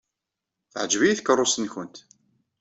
Teɛjeb-iyi tkeṛṛust-nwent.